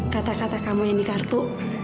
kata kata kamu yang dikartu